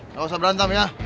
gak usah berantem ya